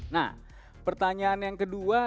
nah pertanyaan yang kedua